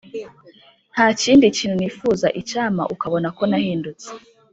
ntakindi kintu nifuza icyampa ukabona ko nahindutse